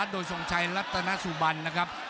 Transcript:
โดยทรงชัยรัตนสุบันนะครับ